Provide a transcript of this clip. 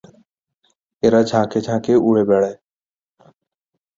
এরা ঝাঁকে ঝাঁকে উড়ে বেড়ায়।